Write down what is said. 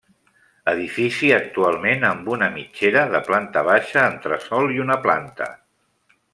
Edifici actualment amb una mitgera, de planta baixa, entresòl i una planta.